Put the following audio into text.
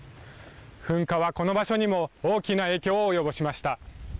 噴火はこの場所にも大きな影響を及ぼしました。